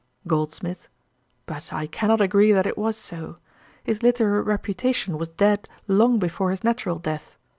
GOLDSMITH. 'But I cannot agree that it was so. His literary reputation was dead long before his natural death.